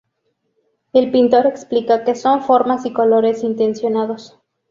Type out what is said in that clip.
El pintor explica que son formas y colores intencionados.